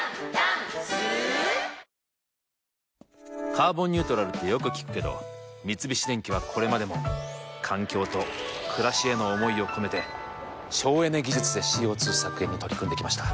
「カーボンニュートラル」ってよく聞くけど三菱電機はこれまでも環境と暮らしへの思いを込めて省エネ技術でＣＯ２削減に取り組んできました。